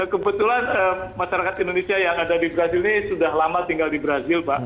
kebetulan masyarakat indonesia yang ada di brazil ini sudah lama tinggal di brazil pak